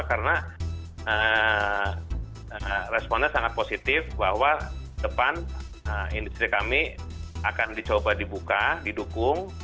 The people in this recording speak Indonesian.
karena responnya sangat positif bahwa depan industri kami akan dicoba dibuka didukung